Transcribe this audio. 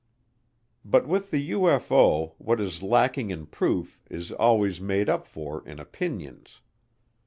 But with the UFO, what is lacking in proof is always made up for in opinions.